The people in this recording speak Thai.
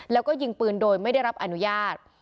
แล้วก็ยิงปืนโดยไม่ได้รับอนุญาต